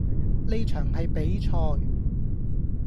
呢場係比賽